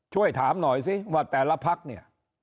ช่วยถามหน่อยสิว่าแต่ละภักดิ์